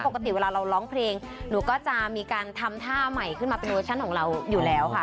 ปกติเวลาเราร้องเพลงหนูก็จะมีการทำท่าใหม่ขึ้นมาเป็นเวอร์ชั่นของเราอยู่แล้วค่ะ